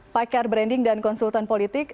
pakar branding dan konsultan politik